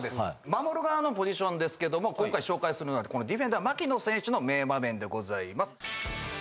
守る側のポジションですけど今回紹介するのはディフェンダー槙野選手の名場面でございます。